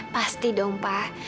pasti dong pak